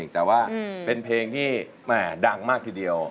แต่ว่าเป็นเพลงที่ดังมากทีเดียว